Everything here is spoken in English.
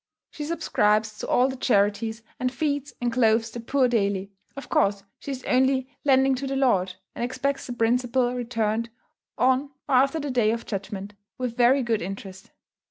She subscribes to all the charities, and feeds and clothes the poor daily; of course she is only "lending to the Lord," and expects the principal returned on or after the Day of Judgment, with very good interest.